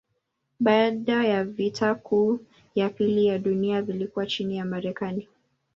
Baada ya vita kuu ya pili ya dunia vilikuwa chini ya Marekani.